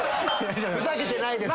ふざけてないです。